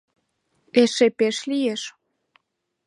Эше пеш лиеш.